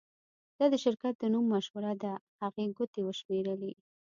دا د شرکت د نوم مشوره ده هغې ګوتې وشمیرلې